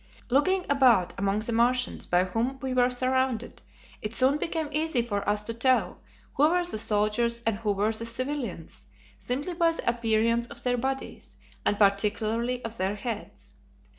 Looking about among the Martians by whom we were surrounded, it soon became easy for us to tell who were the soldiers and who were the civilians, simply by the appearance of their bodies, and particularly of their heads.